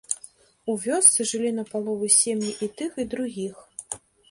У вёсцы жылі напалову сем'і і тых, і другіх.